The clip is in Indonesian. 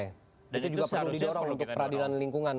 itu juga perlu didorong untuk peradilan lingkungan